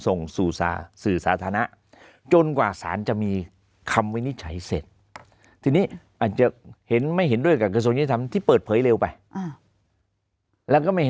ส่งสื่อซาสื่อสาธารณะจนกว่าส